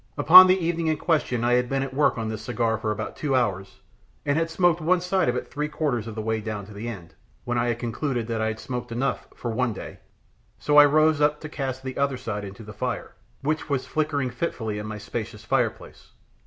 Upon the evening in question I had been at work on this cigar for about two hours, and had smoked one side of it three quarters of the way down to the end, when I concluded that I had smoked enough for one day so I rose up to cast the other side into the fire, which was flickering fitfully in my spacious fireplace.